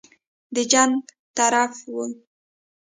د جنګ طرف وي.